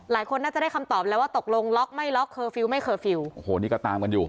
หลายคนน่าจะได้คำตอบแล้วว่าตกลงล็อกไม่ล็อกเคอร์ฟิลลไม่เคอร์ฟิลล์โอ้โหนี่ก็ตามกันอยู่